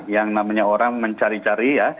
yang namanya orang mencari cari ya